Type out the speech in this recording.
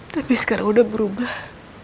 tapi sekarang udah berubah